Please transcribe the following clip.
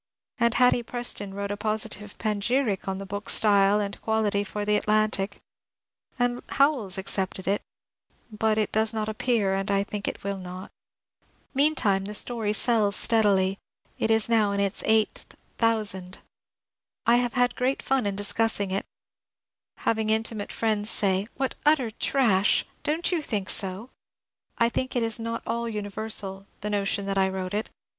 And Hatty Preston wrote a positive panegyric on the book's style and quality for the ^^ Atlantic," and Howells accepted it, — but it does not appear, and I think will not. Meantime the story sells steadily — is now in its eighth thousand. I have had great fun in discussing it, — having intimate friends say, " What utter trash ! Don't you think so ?" I think it is not all universal — the notion that I wrote it.